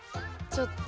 ちょっと。